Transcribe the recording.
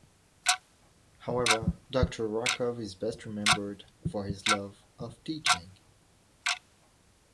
However, Doctor Rakov is best remembered for his love of teaching.